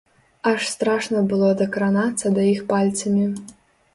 Аж страшна было дакранацца да іх пальцамі.